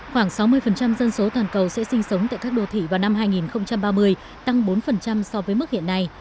khoảng sáu mươi dân số toàn cầu sẽ sinh sống tại các đô thị vào năm hai nghìn ba mươi tăng bốn so với mức hiện nay